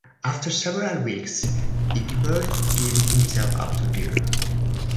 After several weeks, Egbert gave himself up to Dear.